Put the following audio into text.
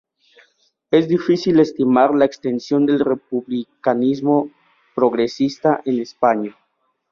Es difícil estimar la extensión del republicanismo progresista en España.